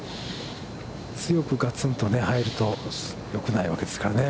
強くガツンと入るとよくないわけですからね。